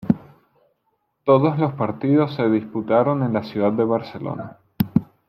Todos los partidos se disputaron en la ciudad de Barcelona.